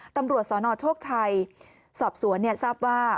ตำรวจสนโชคชัยสอบสวนทราบว่า